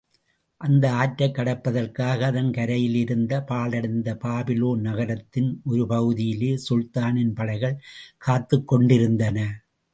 அந்த ஆற்றைக் கடப்பதற்காக அதன் கரையிலேயிருந்த பாழடைந்த பாபிலோன் நகரத்தின் ஒரு பகுதியிலே சுல்தானின் படைகள் காத்துக் கொண்டிருந்தன.